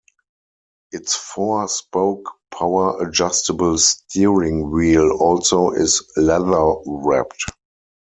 Its four-spoke, power-adjustable steering wheel also is leather wrapped.